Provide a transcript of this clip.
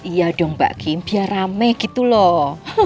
iya dong mbak kim biar rame gitu loh